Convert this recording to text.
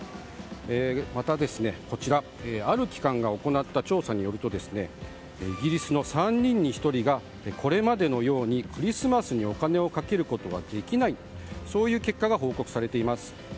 また、ある機関が行った調査によるとイギリスの３人に１人がこれまでのようにクリスマスにお金をかけることはできないとそういう結果が報告されています。